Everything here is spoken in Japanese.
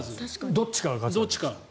どっちが勝つ。